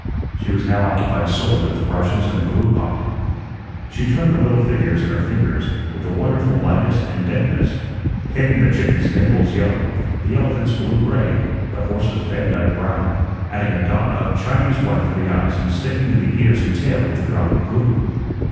She was now occupied solely with the brushes and the glue pot. She turned the little figures in her fingers with a wonderful lightness and deftness, painting the chickens Naples yellow, the elephants blue gray, the horses Vandyke brown, adding a dot of Chinese white for the eyes and sticking in the ears and tail with a drop of glue.